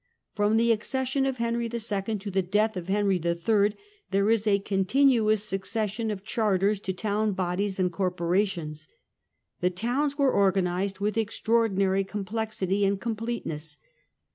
From the accession of Henry II. to the death of Henry III. there is a continuous succession of charters to town bodies and corporations. The towns were organized with extraordinary complexity and com pleteness.